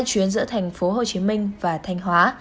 hai chuyến giữa tp hcm và thanh hóa